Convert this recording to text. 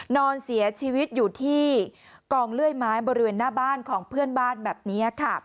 นอนเสียชีวิตอยู่ที่กองเลื่อยไม้บริเวณหน้าบ้านของเพื่อนบ้านแบบนี้ค่ะ